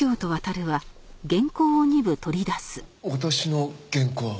私の原稿？